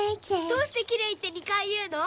どうしてキレイって２回いうの？